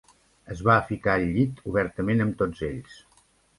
Es va ficar al llit obertament amb tots ells.